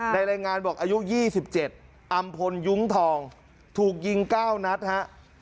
รายงานบอกอายุ๒๗อำพลยุ้งทองถูกยิง๙นัดฮะ